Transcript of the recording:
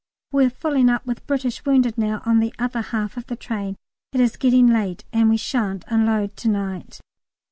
We are filling up with British wounded now on the other half of the train. It is getting late, and we shan't unload to night.